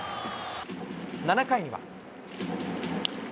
７回には。